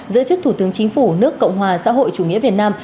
giữ chức thủ tướng chính phủ nước cộng hòa xã hội chủ nghĩa việt nam